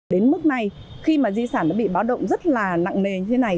đến mức này khi mà di sản nó bị báo động rất là nặng nề như thế này